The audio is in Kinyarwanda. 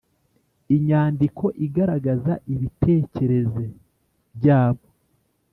inyandiko igaragaza ibitekerez byabo.